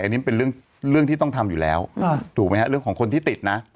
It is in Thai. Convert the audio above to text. อันนี้มันเป็นเรื่องที่ต้องทำอยู่แล้วถูกไหมฮะเรื่องของคนที่ติดนะ